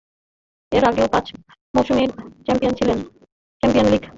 এর আগের পাঁচ মৌসুমেই চ্যাম্পিয়নস লিগে রিয়ালের প্রথম ম্যাচে গোল পেয়েছিলেন।